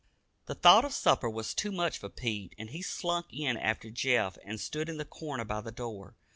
The thought of supper was too much for Pete and he slunk in after Jeff and stood in the corner by the door.